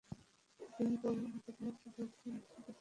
একদিন তো উনি আমাকে দাওয়াতও দিয়েছিলেন উনাদের সাথে চা খাওয়ার জন্য।